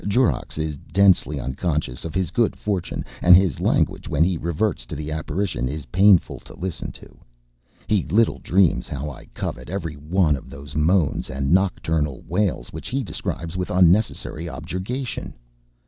Jorrocks is densely unconscious of his good fortune; and his language when he reverts to the apparition is painful to listen to. He little dreams how I covet every one of those moans and nocturnal wails which he describes with unnecessary objurgation.